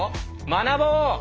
学ぼう！